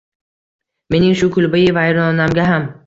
Mening shu kulbayi vayronamga ham.